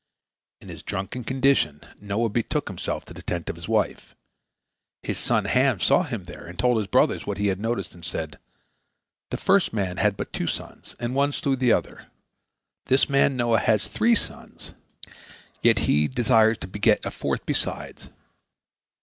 In his drunken condition Noah betook himself to the tent of his wife. His son Ham saw him there, and he told his brothers what he had noticed, and said: "The first man had but two sons, and one slew the other; this man Noah has three sons, yet he desires to beget a fourth besides."